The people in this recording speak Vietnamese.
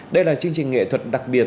đây là chương trình nghệ thuật đặc biệt